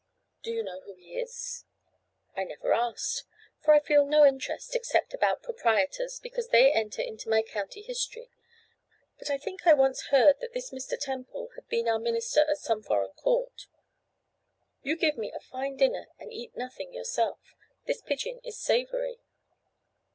'Do you know who he is?' 'I never asked; for I feel no interest except about proprietors, because they enter into my County History. But I think I once heard that this Mr. Temple had been our minister at some foreign court. You give me a fine dinner and eat nothing yourself. This pigeon is savoury.